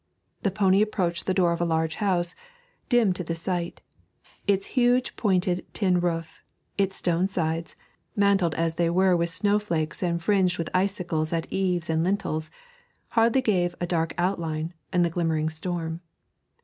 The pony approached the door of a large house, dim to the sight; its huge pointed tin roof, its stone sides, mantled as they were with snowflakes and fringed with icicles at eaves and lintels, hardly gave a dark outline in the glimmering storm.